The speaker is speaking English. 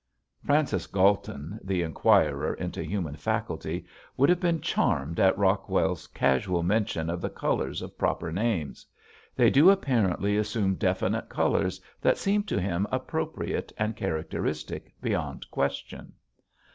Francis Galton, the inquirer into human faculty, would have been charmed at Rockwell's casual mention of the colors of proper names. They do apparently assume definite colors that seem to him appropriate and characteristic beyond question.